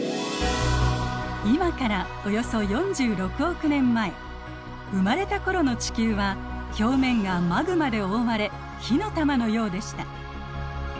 今からおよそ生まれた頃の地球は表面がマグマで覆われ火の玉のようでした。